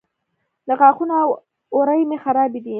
غاښونه او اورۍ مې خرابې دي